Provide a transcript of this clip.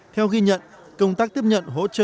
theo ghi nhận công tác tiếp nhận của các nạn nhân